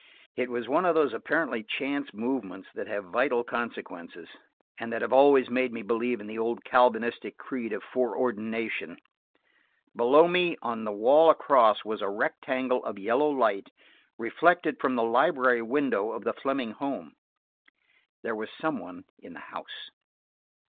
It was one of those apparently chance movements that have vital consequences, and that have always made me believe in the old Calvinistic creed of foreordination. Below me, on the wall across, was a rectangle of yellow light, reflected from the library window of the Fleming home. There was some one in the house.